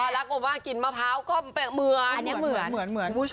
เล่ากินมะพร้าวก็เหมือน